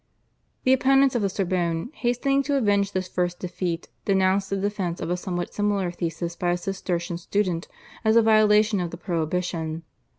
The opponents of the Sorbonne, hastening to avenge this first defeat, denounced the defence of a somewhat similar thesis by a Cistercian student as a violation of the prohibition.